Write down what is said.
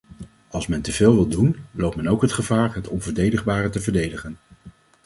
Als men teveel wil doen, loopt men ook het gevaar het onverdedigbare te verdedigen.